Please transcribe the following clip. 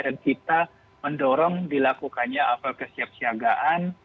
dan kita mendorong dilakukannya apel kesiapsiagaan